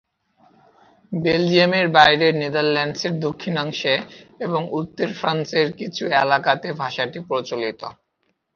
বেলজিয়ামের বাইরে নেদারল্যান্ডসের দক্ষিণাংশে এবং উত্তর ফ্রান্সের কিছু এলাকাতে ভাষাটি প্রচলিত।